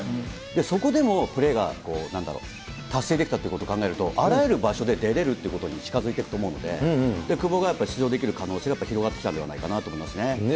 そこでもプレーがなんだろう、達成できたってことを考えると、あらゆる場所で出れるということに近づいていると思うので、久保がやっぱり出場できる可能性がやっぱり広がってきたんではないかと思いますね。